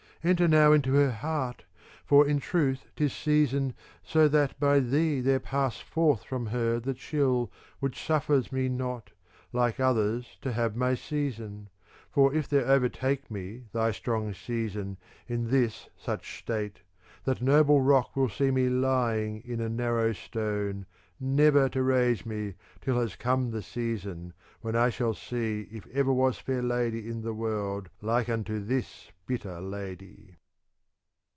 Enter now into her heart, for in truth 'tis season, so that by thee there pass forth from her the chill, which suffers me not, like others, to have my season : for if there overtake me thy strong season^ in this such state, that noble rock will see me lying in a narrow stone ^ never to raise me till has come the season* when I shall see if ever was fair lady in the world like unto this bitter lady.